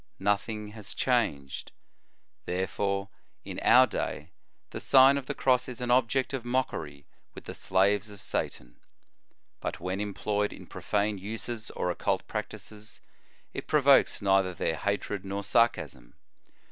Nothing has changed. Therefore in our day the Sign of the Cross is an object of mockery with the slaves of Satan ; but when employed in profane uses or occult practices, it pro vokes neither their hatred nor sarcasm.